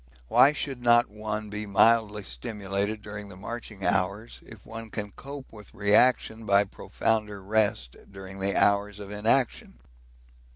Why should not one be mildly stimulated during the marching hours if one can cope with reaction by profounder rest during the hours of inaction?